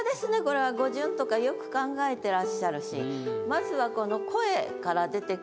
これは語順とかよく考えてらっしゃるし。